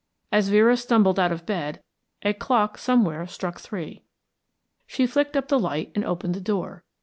As Vera stumbled out of bed a clock somewhere struck three. She flicked up the light and opened the door.